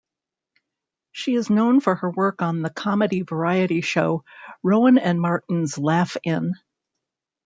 She is known for her work on the comedy-variety show "Rowan and Martin's Laugh-In".